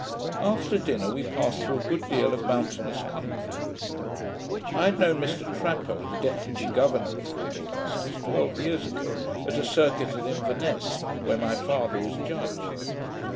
After dinner, we passed through a good deal of mountainous country. I had known Mr Trapaud, the deputy governour of Fort Augustus, twelve years ago, at a circuit at Inverness, where my father was judge.